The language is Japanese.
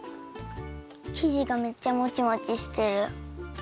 きじがめっちゃもちもちしてる。